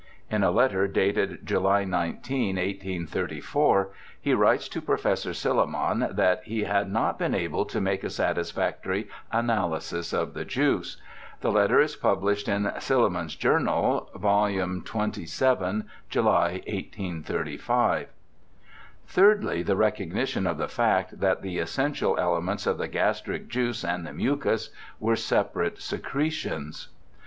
In a letter dated July 19, 1834, he writes to Professor Silliman that he had not been able to make a satisfactory analysis of the juice. The letter is pub lished in Silliman' s Journal, vol. xxvii, July, 1835. Thirdly, the recognition of the fact that the essential elements of the gastric juice and the mucus were separate secretions.